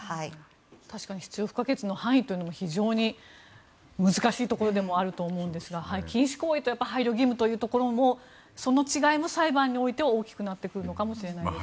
確かに必要不可欠の範囲というのも非常に難しいところでもあると思うんですが禁止行為と配慮義務というところのその違いも裁判においては大きくなってくるのかもしれないです。